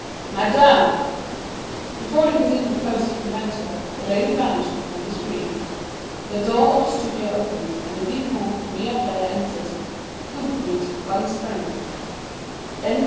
"Madame!" Before he could interpose to prevent her, the lady vanished behind the screen. The door of the studio opened, and the Vicomte d'Humières entered, accompanied by his friend.